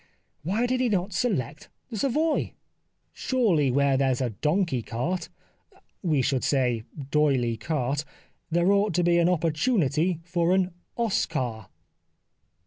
Why did he not select the Savoy ? Surely where there's a Donkey Cart — we should say D'Oyly Carte — there ought to be an opportunity for an 'Os car